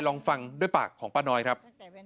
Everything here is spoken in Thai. ลองฟังด้วยปากของป้าน้อยครับ